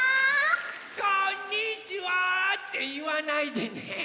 「こんにちは！」っていわないでね。